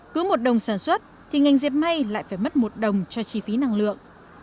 cứ một đồng sản xuất thì ngành dẹp may lại phải mất một đồng cho chi phí năng lượng